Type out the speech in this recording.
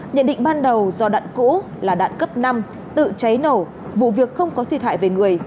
nhận định ban đầu do đạn cũ là đạn cấp năm tự cháy nổ vụ việc không có thiệt hại về người